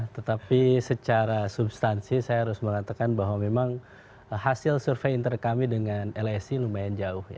tetapi secara substansi saya harus mengatakan bahwa memang hasil survei inter kami dengan lsi lumayan jauh ya